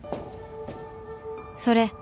それ。